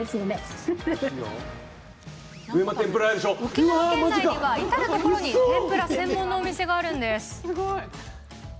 沖縄県内には至る所に天ぷら専門のお店があるんです。